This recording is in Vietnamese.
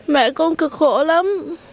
mẹ con cực khổ lắm